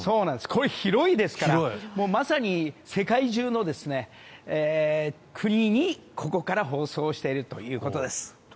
これ、広いですからまさに世界中の国にここから放送しているということです。